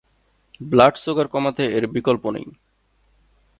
Blood sugar কমাতে এর বিকল্প নেই।